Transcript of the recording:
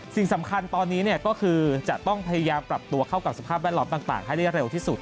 สิ่งสำคัญตอนนี้ก็คือจะต้องพยายามปรับตัวเข้ากับสภาพแวดล้อมต่างให้ได้เร็วที่สุด